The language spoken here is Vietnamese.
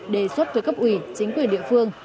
đề xuất với cấp ủy chính quyền địa phương